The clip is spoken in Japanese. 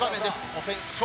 オフェンス笑